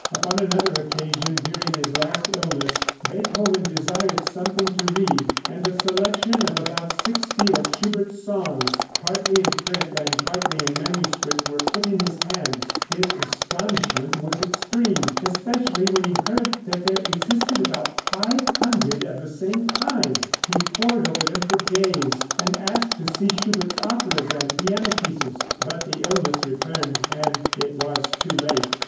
Upon another occasion during his last illness Beethoven desired something to read, and a selection of about sixty of Schubert's songs, partly in print and partly in manuscript, were put in his hands. His astonishment was extreme, especially when he heard that there existed about 500 of the same kind. He pored over them for days, and asked to see Schubert's operas and piano pieces, but the illness returned, and it was too late.